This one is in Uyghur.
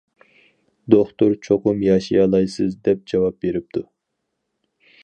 دوختۇر:« چوقۇم ياشىيالايسىز» دەپ جاۋاب بېرىپتۇ.